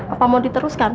apa mau diteruskan